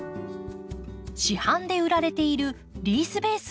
市販で売られているリースベースを使います。